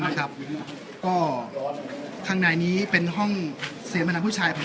น่ะครับก็ทางนายนี้เป็นห้องเสลมณรรน์ผู้ชายผม